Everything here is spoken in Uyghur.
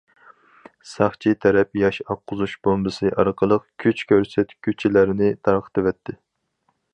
ساقچى تەرەپ ياش ئاققۇزۇش بومبىسى ئارقىلىق كۈچ كۆرسەتكۈچىلەرنى تارقىتىۋەتتى.